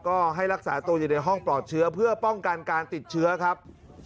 ก็ให้รักษาตัวอยู่ในห้องปลอดเชื้อเพื่อป้องกันการติดเชื้อครับ